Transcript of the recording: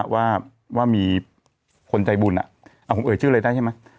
ว่ามีคนใจบุญผมเอ่ยชื่ออะไรได้ใช่ไหม